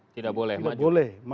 tidak boleh maju